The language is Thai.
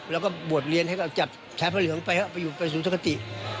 แล้วก็บวชเลียนให้กับจับแชร์พระเหลืองไปสู่สุทธิคติ